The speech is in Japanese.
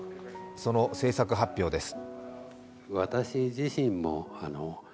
その制作発表です。